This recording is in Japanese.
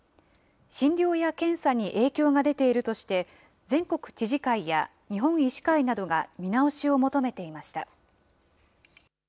診療や検査に影響が出ているとして、全国知事会や、日本医師会などが見直しを求めていました。